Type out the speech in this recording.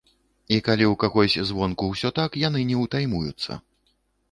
І калі ў кагось звонку ўсё так, яны не утаймуюцца.